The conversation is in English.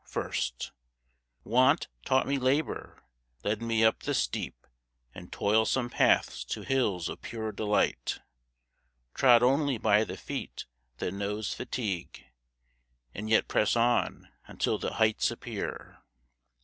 First, Want taught me labor, led me up the steep And toilsome paths to hills of pure delight, Trod only by the feet that know fatigue, And yet press on until the heights appear.